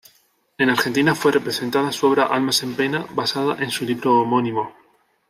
En Argentina fue representada su obra "Almas en pena" basada en su libro homónimo.